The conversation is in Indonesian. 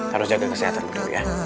harus jaga kesehatan bu dewi ya